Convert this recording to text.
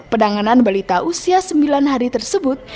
penanganan balita usia sembilan hari tersebut